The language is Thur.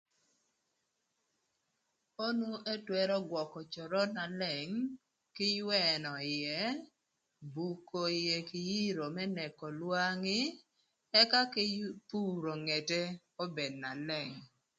Önü ëtwërö gwökö cörön na leng kï ywënö ïë, buko ïë kï ïrö më neko lwangi ëka kï puro ngete obed na leng.